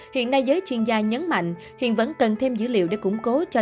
hiện nay giới chuyên gia nhấn mạnh hiện vẫn cần thêm dữ liệu để củng cố